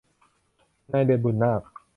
นายเดือน บุนนาค